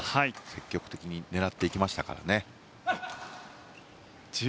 積極的に狙っていきましたからね。